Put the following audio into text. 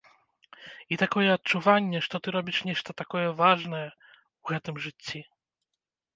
І такое адчуванне, што ты робіш нешта такое важнае ў гэтым жыцці.